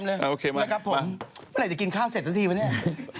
เมื่อไหร่จะกินข้าวเสร็จสักทีปะเนี่ย